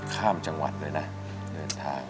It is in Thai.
ข้ามจังหวัดเลยนะ